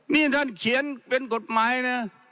นี่ท่านเขียนเป็นกฎหมายนะ